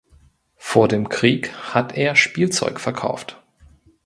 Vor dem Krieg hat er Spielzeug verkauft.